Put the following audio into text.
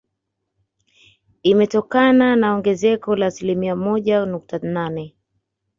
Imetokana na ongezeko la asilimia moja nukta nane